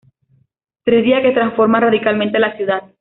Tres días que transforman radicalmente la ciudad.